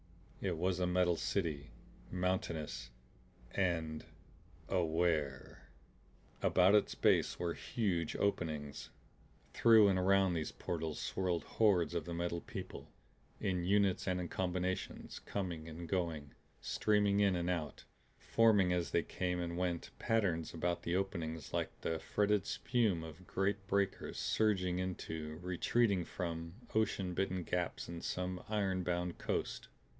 It was a metal city, mountainous and AWARE. About its base were huge openings. Through and around these portals swirled hordes of the Metal People; in units and in combinations coming and going, streaming in and out, forming as they came and went patterns about the openings like the fretted spume of great breakers surging into, retreating from, ocean bitten gaps in some iron bound coast.